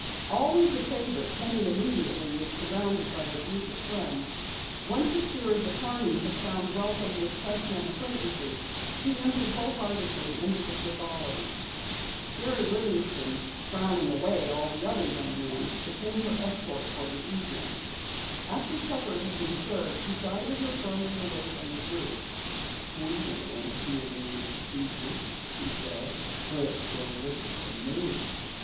Always a favorite, Penny immediately was surrounded by a group of friends. Assured that Horney had found welcome with pressmen acquaintances, she entered wholeheartedly into the frivolity. Jerry Livingston, frowning away all other young men, became her escort for the evening. After supper had been served, he guided her firmly away from the group. "We don't want to hear any speeches," he said. "Let's go look at the moon."